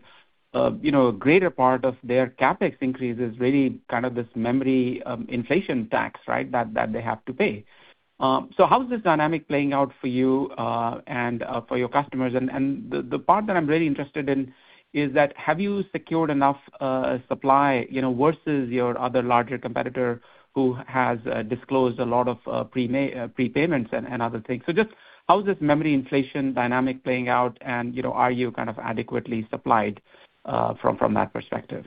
you know, a greater part of their CapEx increase is really kind of this memory inflation tax, right? That they have to pay. How is this dynamic playing out for you and for your customers? The part that I'm really interested in is that have you secured enough supply, you know, versus your other larger competitor who has disclosed a lot of prepayments and other things? Just how is this memory inflation dynamic playing out? You know, are you kind of adequately supplied from that perspective?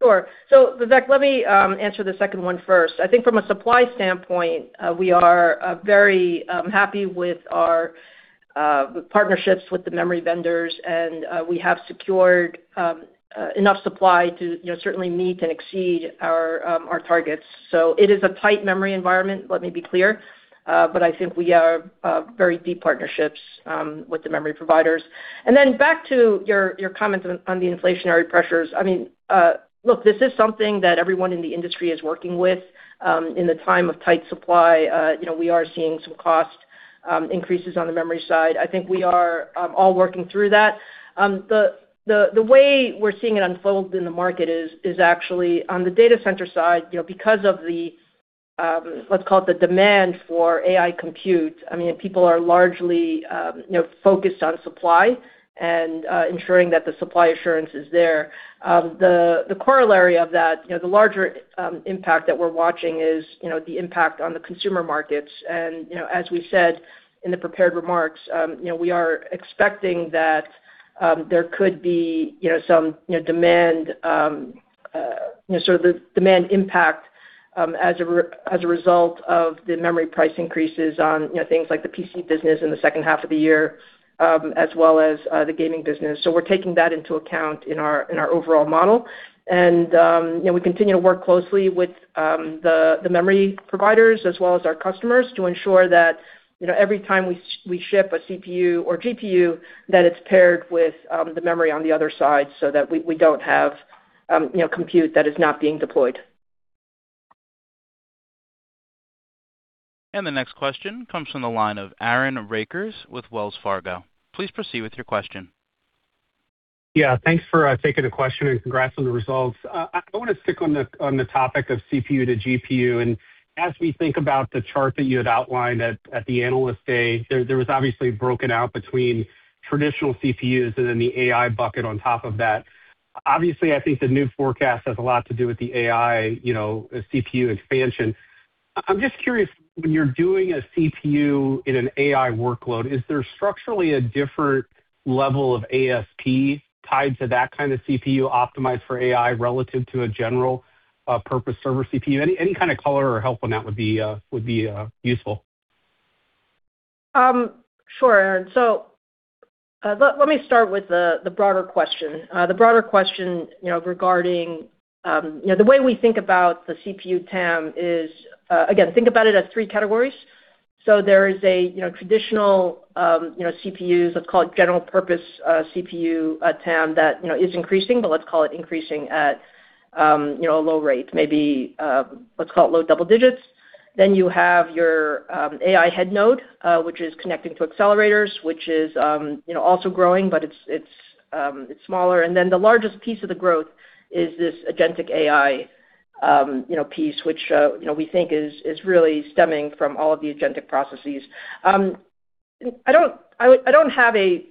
Sure. Vivek, let me answer the second one first. I think from a supply standpoint, we are very happy with our partnerships with the memory vendors. We have secured enough supply to, you know, certainly meet and exceed our targets. It is a tight memory environment, let me be clear. But I think we are very deep partnerships with the memory providers. Back to your comments on the inflationary pressures. I mean, look, this is something that everyone in the industry is working with. In the time of tight supply, you know, we are seeing some cost increases on the memory side. I think we are all working through that. The way we're seeing it unfold in the market is actually on the data center side. You know, because of the, let's call it, the demand for AI compute, I mean, people are largely, you know, focused on supply and ensuring that the supply assurance is there. The corollary of that, you know, the larger impact that we're watching is, you know, the impact on the consumer markets. You know, as we said in the prepared remarks, you know, we are expecting that there could be, you know, sort of the demand impact as a result of the memory price increases on, you know, things like the PC business in the second half of the year, as well as the gaming business. We're taking that into account in our overall model. You know, we continue to work closely with the memory providers as well as our customers to ensure that, you know, every time we ship a CPU or GPU, that it's paired with the memory on the other side so that we don't have, you know, compute that is not being deployed. The next question comes from the line of Aaron Rakers with Wells Fargo. Please proceed with your question. Yeah, thanks for taking the question, congrats on the results. I wanna stick on the topic of CPU to GPU. As we think about the chart that you had outlined at the Analyst Day, there was obviously broken out between traditional CPUs and then the AI bucket on top of that. Obviously, I think the new forecast has a lot to do with the AI, you know, CPU expansion. I'm just curious, when you're doing a CPU in an AI workload, is there structurally a different level of ASP tied to that kind of CPU optimized for AI relative to a general purpose server CPU? Any kind of color or help on that would be useful. Sure, Aaron. Let me start with the broader question. The broader question, you know, the way we think about the CPU TAM is, think about it as three categories. There is a, you know, traditional, you know, CPUs, let's call it general purpose, CPU, TAM, that, you know, is increasing, but let's call it increasing at, you know, a low rate, maybe, let's call it low double digits. You have your AI head node, which is connecting to accelerators, which is, you know, also growing, but it's smaller. The largest piece of the growth is this agentic AI, you know, piece, which, you know, we think is really stemming from all of the agentic processes. I don't have a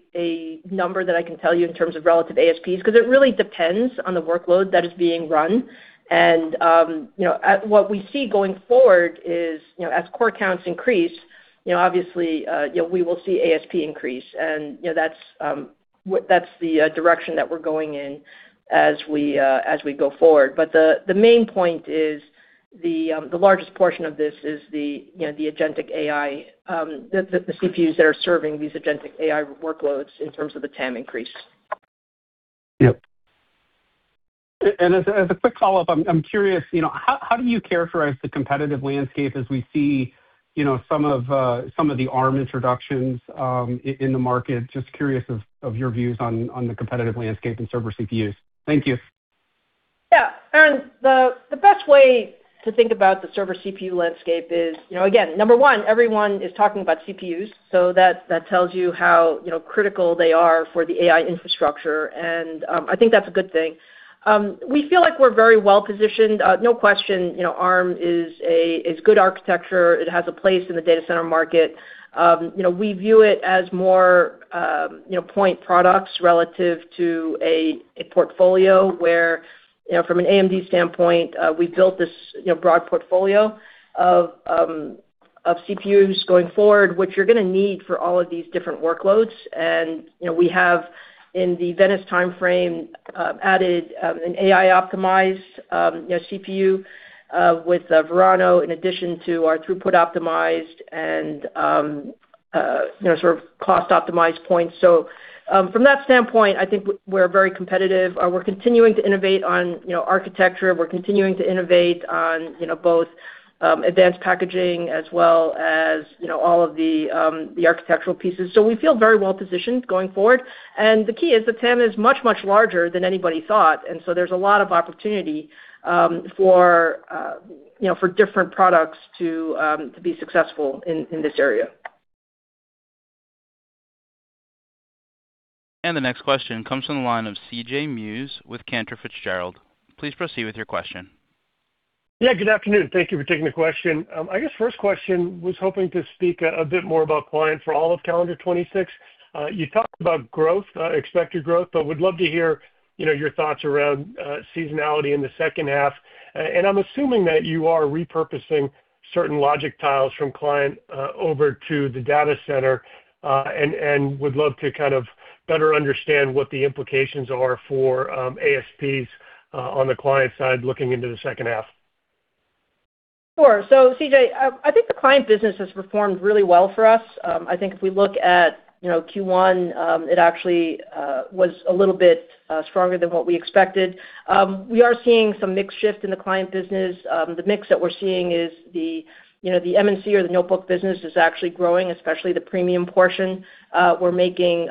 number that I can tell you in terms of relative ASPs because it really depends on the workload that is being run. What we see going forward is as core counts increase, we will see ASP increase. That's the direction that we're going in as we go forward. The main point is the largest portion of this is the agentic AI, the CPUs that are serving these agentic AI workloads in terms of the TAM increase. As a quick follow-up, I'm curious, you know, how do you characterize the competitive landscape as we see, you know, some of the Arm introductions in the market? Just curious of your views on the competitive landscape in server CPUs. Thank you. Yeah. Aaron, the best way to think about the server CPU landscape is, you know, again, number one, everyone is talking about CPUs, that tells you how, you know, critical they are for the AI infrastructure. I think that's a good thing. We feel like we're very well positioned. No question, you know, Arm is good architecture. It has a place in the data center market. You know, we view it as more, you know, point products relative to a portfolio where, you know, from an AMD standpoint, we built this, you know, broad portfolio of CPUs going forward, which you're gonna need for all of these different workloads. You know, we have in the Venice timeframe, added an AI optimized, you know, CPU, with Verano in addition to our throughput optimized and, you know, sort of cost optimized points. From that standpoint, I think we're very competitive. We're continuing to innovate on, you know, architecture. We're continuing to innovate on, you know, both advanced packaging as well as, you know, all of the architectural pieces. We feel very well positioned going forward. The key is the TAM is much, much larger than anybody thought, and so there's a lot of opportunity for, you know, for different products to be successful in this area. The next question comes from the line of CJ Muse with Cantor Fitzgerald. Please proceed with your question. Yeah, good afternoon. Thank you for taking the question. I guess first question was hoping to speak a bit more about client for all of calendar 2026. You talked about growth, expected growth, but would love to hear, you know, your thoughts around seasonality in the second half. I'm assuming that you are repurposing certain logic tiles from client over to the data center and would love to kind of better understand what the implications are for ASPs on the client side looking into the second half. Sure. CJ, I think the client business has performed really well for us. I think if we look at, you know, Q1, it actually was a little bit stronger than what we expected. We are seeing some mix shift in the client business. The mix that we're seeing is the, you know, the M&C or the notebook business is actually growing, especially the premium portion. We're making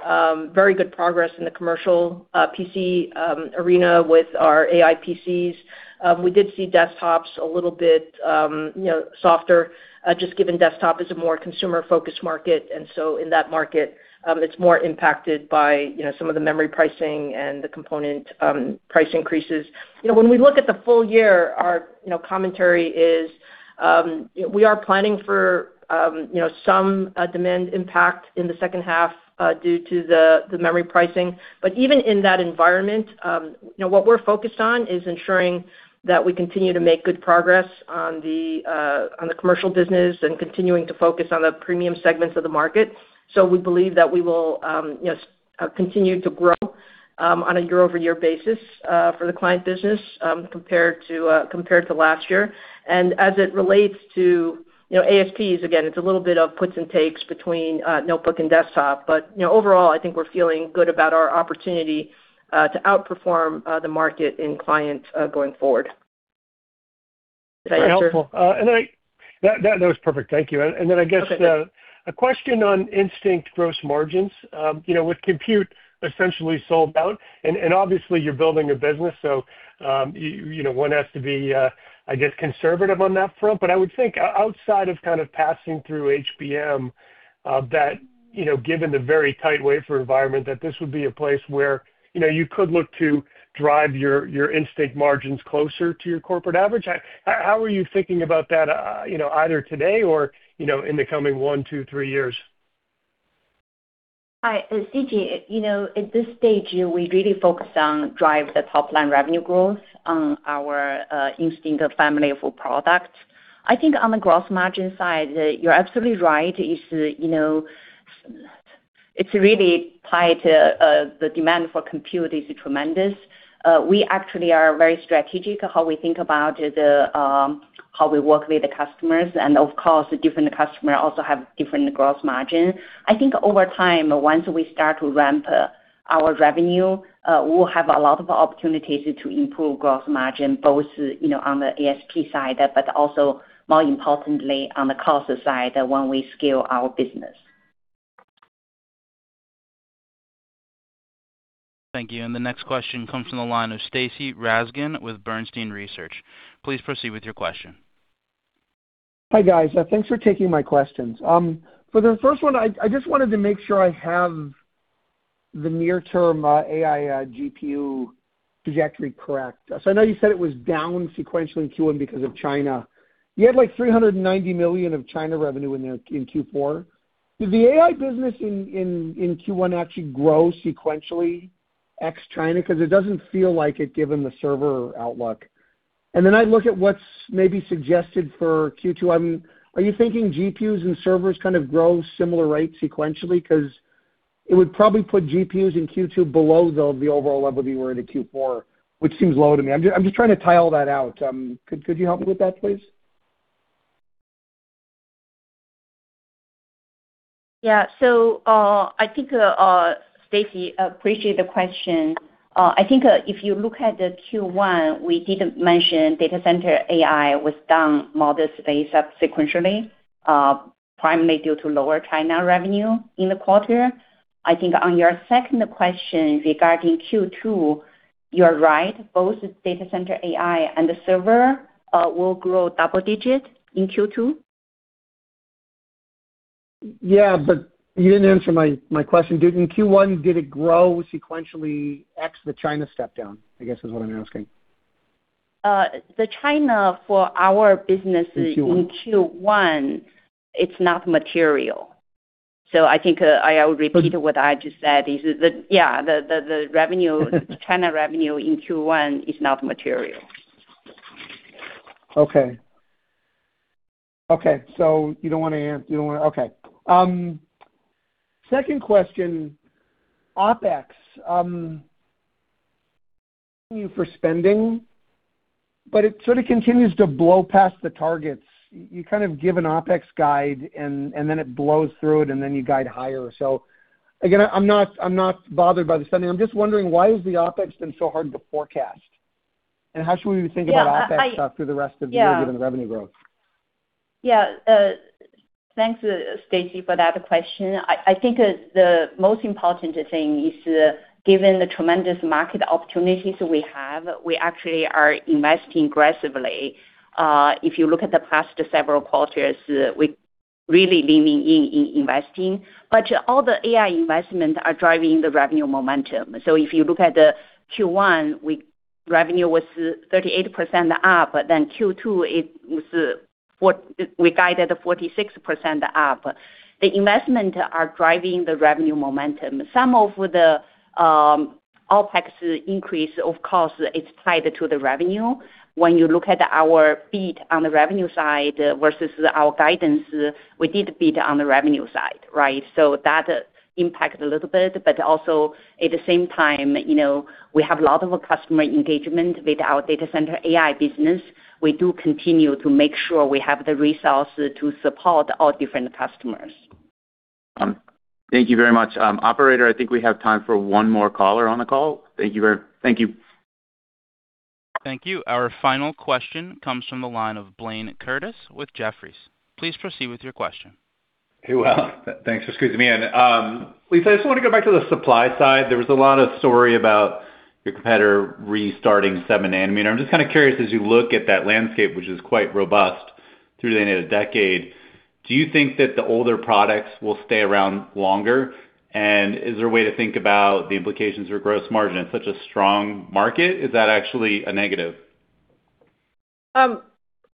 very good progress in the commercial PC arena with our AI PCs. We did see desktops a little bit, you know, softer, just given desktop is a more consumer-focused market. In that market, it's more impacted by, you know, some of the memory pricing and the component price increases. You know, when we look at the full year, our, you know, commentary is, we are planning for, you know, some demand impact in the second half due to the memory pricing. But even in that environment, you know, what we're focused on is ensuring that we continue to make good progress on the commercial business and continuing to focus on the premium segments of the market. So we believe that we will, you know, continue to grow on a year-over-year basis for the client business compared to last year. And as it relates to, you know, ASPs, again, it's a little bit of puts and takes between notebook and desktop. You know, overall, I think we're feeling good about our opportunity to outperform the market in client going forward. Very helpful. That was perfect. Thank you. Okay A question on Instinct gross margins. You know, with compute essentially sold out, and obviously you're building a business, so, you know, one has to be, I guess, conservative on that front. I would think outside of kind of passing through HBM, that, you know, given the very tight wafer environment, that this would be a place where, you know, you could look to drive your Instinct margins closer to your corporate average. How are you thinking about that, you know, either today or, you know, in the coming one, two, three years? Hi. CJ, you know, at this stage, we really focus on drive the top line revenue growth on our Instinct family of products. I think on the gross margin side, you're absolutely right. It's, you know, it's really tied to the demand for compute is tremendous. We actually are very strategic how we think about the how we work with the customers. Of course, different customer also have different gross margin. I think over time, once we start to ramp our revenue, we'll have a lot of opportunities to improve gross margin, both, you know, on the ASP side, but also more importantly, on the cost side when we scale our business. Thank you. The next question comes from the line of Stacy Rasgon with Bernstein Research. Please proceed with your question. Hi, guys. Thanks for taking my questions. For the first one, I just wanted to make sure I have the near term AI GPU trajectory correct. I know you said it was down sequentially in Q1 because of China. You had like $390 million of China revenue in there in Q4. Did the AI business in Q1 actually grow sequentially ex China? It doesn't feel like it, given the server outlook. I look at what's maybe suggested for Q2. I mean, are you thinking GPUs and servers kind of grow similar rate sequentially? It would probably put GPUs in Q2 below the overall level that you were at in Q4, which seems low to me. I'm just trying to tie all that out. Could you help me with that, please? I think, Stacy, appreciate the question. I think if you look at the Q1, we did mention data center AI was down modest base up sequentially, primarily due to lower China revenue in the quarter. I think on your second question regarding Q2, you're right. Both data center AI and the server will grow double digit in Q2. You didn't answer my question. In Q1, did it grow sequentially ex the China step down, I guess, is what I'm asking? The China for our business- In Q1. In Q1, it's not material. I think, I'll repeat what I just said, is that, yeah, the revenue, China revenue in Q1 is not material. Okay, you don't wanna Okay. Second question, OpEx. For spending, but it sort of continues to blow past the targets. You kind of give an OpEx guide and then it blows through it, and then you guide higher. Again, I'm not bothered by the spending. I'm just wondering why is the OpEx been so hard to forecast, and how should we think about OpEx- Yeah. Through the rest of the year Yeah Given the revenue growth? Thanks, Stacy, for that question. I think the most important thing is, given the tremendous market opportunities we have, we actually are investing aggressively. If you look at the past several quarters, we're really leaning in investing. All the AI investments are driving the revenue momentum. If you look at the Q1, revenue was 38% up, Q2 it was, what? We guided 46% up. The investment are driving the revenue momentum. Some of the OpEx increase, of course, is tied to the revenue. When you look at our beat on the revenue side versus our guidance, we did beat on the revenue side, right? That impacted a little bit, but also at the same time, you know, we have a lot of customer engagement with our data center AI business. We do continue to make sure we have the resources to support our different customers. Thank you very much. Operator, I think we have time for one more caller on the call. Thank you. Thank you. Our final question comes from the line of Blaine Curtis with Jefferies. Please proceed with your question. Hey, well, thanks for squeezing me in. Lisa, I just want to go back to the supply side. There was a lot of story about your competitor restarting 7nm. I'm just kind of curious, as you look at that landscape, which is quite robust through the end of the decade, do you think that the older products will stay around longer? Is there a way to think about the implications for gross margin in such a strong market? Is that actually a negative?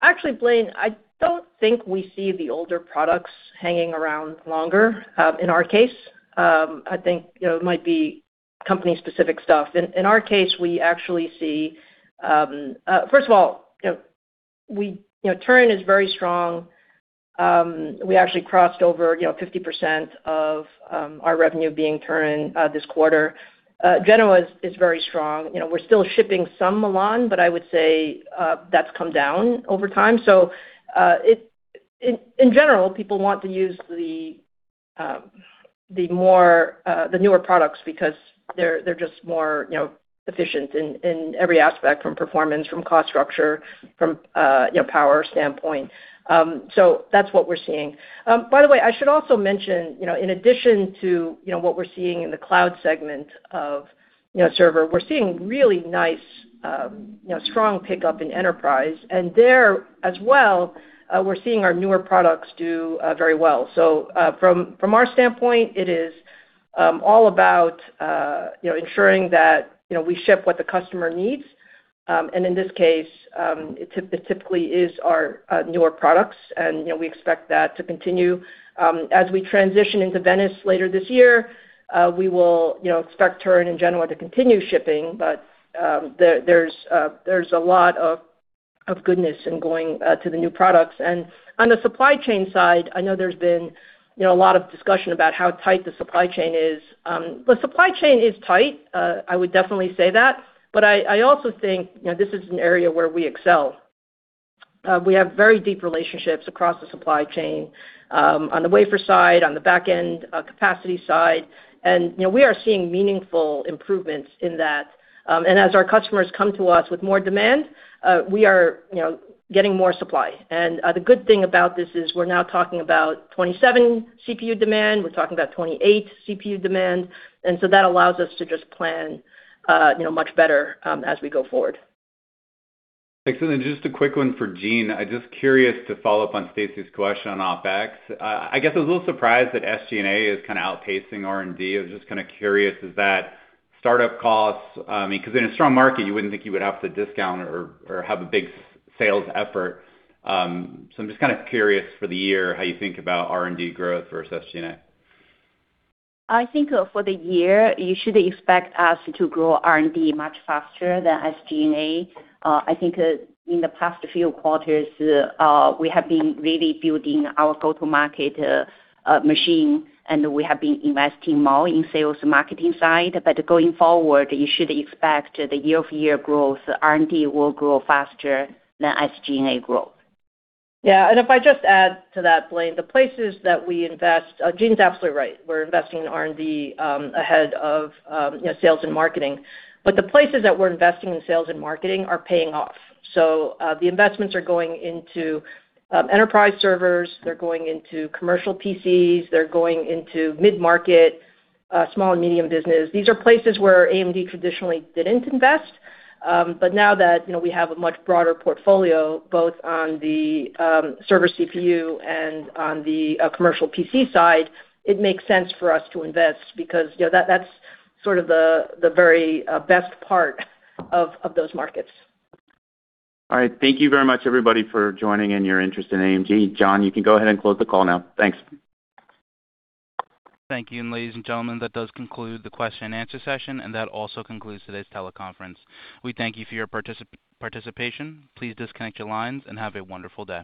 Actually, Blaine, I don't think we see the older products hanging around longer in our case. I think, you know, it might be company specific stuff. In our case, we actually see, first of all, you know, Turin is very strong. We actually crossed over, you know, 50% of our revenue being Turin this quarter. Genoa is very strong. You know, we're still shipping some Milan, but I would say that's come down over time. In general, people want to use the more the newer products because they're just more, you know, efficient in every aspect, from performance, from cost structure, from, you know, power standpoint. That's what we're seeing. By the way, I should also mention, you know, in addition to, you know, what we're seeing in the Cloud segment of, you know, server, we're seeing really nice, you know, strong pickup in enterprise. There as well, we're seeing our newer products do very well. From, from our standpoint, it is all about, you know, ensuring that, you know, we ship what the customer needs. In this case, it typically is our newer products and, you know, we expect that to continue. As we transition into Venice later this year, we will, you know, expect Turin and Genoa to continue shipping, but there's a lot of goodness in going to the new products. On the supply chain side, I know there's been a lot of discussion about how tight the supply chain is. The supply chain is tight, I would definitely say that, but I also think this is an area where we excel. We have very deep relationships across the supply chain, on the wafer side, on the back end, capacity side, and we are seeing meaningful improvements in that. As our customers come to us with more demand, we are getting more supply. The good thing about this is we're now talking about 2027 CPU demand. We're talking about 2028 CPU demand, that allows us to just plan much better as we go forward. Excellent. Just a quick one for Jean. I'm just curious to follow up on Stacy's question on OpEx. I guess I was a little surprised that SG&A is kinda outpacing R&D. I was just kinda curious, is that startup costs? I mean, 'cause in a strong market, you wouldn't think you would have to discount or have a big sales effort. I'm just kinda curious for the year how you think about R&D growth versus SG&A. I think for the year, you should expect us to grow R&D much faster than SG&A. I think, in the past few quarters, we have been really building our go-to-market machine, and we have been investing more in sales marketing side. Going forward, you should expect the year-over-year growth, R&D will grow faster than SG&A growth. If I just add to that, Blaine, the places that we invest, Jean's absolutely right. We're investing in R&D, ahead of, you know, sales and marketing. The places that we're investing in sales and marketing are paying off. The investments are going into enterprise servers, they're going into commercial PCs, they're going into mid-market, small and medium business. These are places where AMD traditionally didn't invest. Now that, you know, we have a much broader portfolio, both on the server CPU and on the commercial PC side, it makes sense for us to invest because, you know, that's sort of the very best part of those markets. All right. Thank you very much, everybody, for joining and your interest in AMD. John, you can go ahead and close the call now. Thanks. Thank you. Ladies and gentlemen, that does conclude the question and answer session, and that also concludes today's teleconference. We thank you for your participation. Please disconnect your lines and have a wonderful day.